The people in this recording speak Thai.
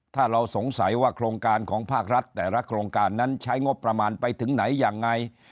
ถ้าเราสงสัยว่าโครงการของภาครัฐแต่ละโครงการนั้นใช้งบประมาณไปถึงไหนยังไง